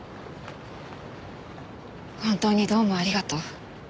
本当にどうもありがとう。